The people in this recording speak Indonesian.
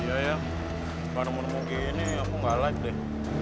iya ya kalo mau mau gini aku gak like deh